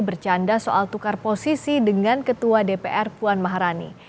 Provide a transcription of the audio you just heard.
bercanda soal tukar posisi dengan ketua dpr puan maharani